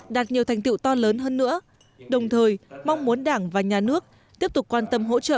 đạt nhiều thành tiệu to lớn hơn nữa đồng thời mong muốn đảng và nhà nước tiếp tục quan tâm hỗ trợ